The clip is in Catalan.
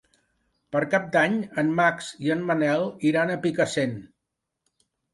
Per Cap d'Any en Max i en Manel iran a Picassent.